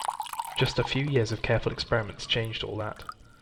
Just a few years of careful experiments changed all that.